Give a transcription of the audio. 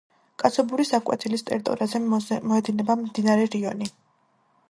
კაცობურის აღკვეთილის ტერიტორიაზე მიედინება მდინარე რიონი.